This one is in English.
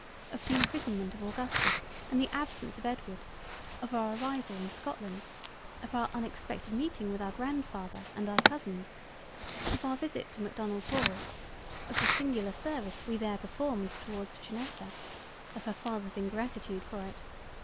Of the imprisonment of Augustus and the absence of Edward—of our arrival in Scotland—of our unexpected Meeting with our Grand father and our cousins—of our visit to Macdonald Hall—of the singular service we there performed towards Janetta—of her Fathers ingratitude for it..